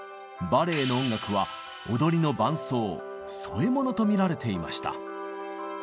バレエの音楽は踊りの伴奏添えものとみられていました。